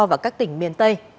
và các tỉnh miền tây